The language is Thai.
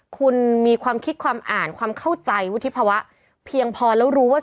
คุณมีความคิดความอ่านความเข้าใจวุฒิภาวะเพียงพอแล้วรู้ว่า